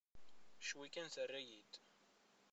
Cwi kan terra-yi-d.